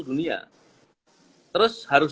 dunia terus harus